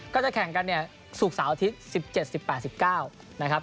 ก็จะแข่งกันเนี่ยศุกร์เสาร์อาทิตย์๑๗๑๘๑๙นะครับ